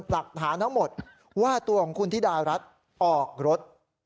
หลักฐานทั้งหมดว่าตัวของคุณธิดารัฐออกรถ